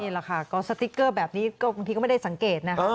แหละค่ะก็สติ๊กเกอร์แบบนี้ก็บางทีก็ไม่ได้สังเกตนะคะ